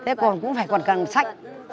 thế còn cũng phải còn cần sạch hơn